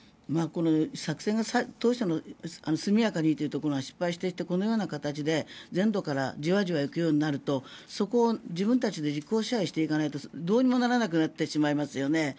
この当初の作戦が速やかにというところが失敗してこのような形で全土からじわじわ行くようになるとそこを自分たちで実効支配していかないとどうにもならなくなってしまいますよね。